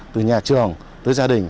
từ nhà trường tới gia đình